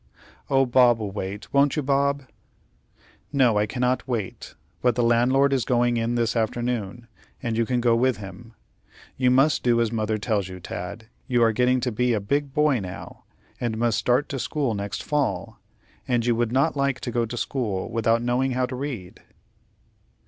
"Oh, Bob will wait; won't you, Bob?" "No, I cannot wait; but the landlord is going in this afternoon, and you can go with him. You must do as mother tells you, Tad. You are getting to be a big boy now, and must start to school next fall; and you would not like to go to school without knowing how to read."